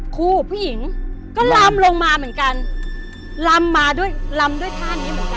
ผู้หญิงก็ลำลงมาเหมือนกันลำมาด้วยลำด้วยท่านี้เหมือนกัน